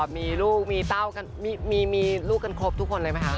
มีลูกมีเต้ากันมีลูกกันครบทุกคนเลยไหมคะ